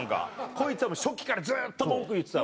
こいつはもう初期からずっと文句言ってたの。